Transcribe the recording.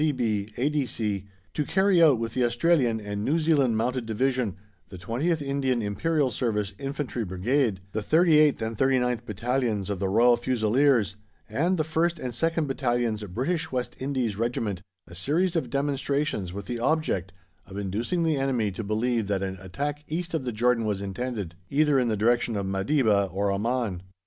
G., C.B., A.D.C., to carry out with the Australian and New Zealand Mounted Division, the 20th Indian (Imperial Service) Infantry Brigade, the 38th and 39th Battalions of the Royal Fusiliers, and the 1st and 2nd Battalions British West Indies Regiment a series of demonstrations with the object of inducing the enemy to believe that an attack East of the Jordan was intended, either in the direction of Madeba or Amman.